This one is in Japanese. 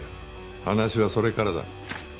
話はそれからだ。